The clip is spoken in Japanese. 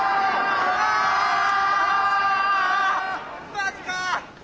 マジか！